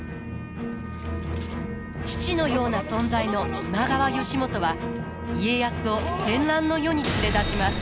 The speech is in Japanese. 父のような存在の今川義元は家康を戦乱の世に連れ出します。